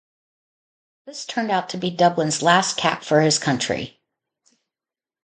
This turned out to be Dublin's last cap for his country.